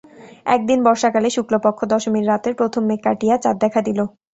একদিন বর্ষাকালে শুক্লপক্ষ দশমীর রাত্রে প্রথম মেঘ কাটিয়া চাঁদ দেখা দিল।